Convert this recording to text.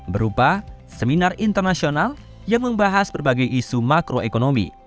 berupa seminar internasional yang membahas berbagai isu makroekonomi